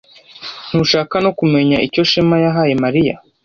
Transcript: Ntushaka no kumenya icyo Shema yahaye Mariya?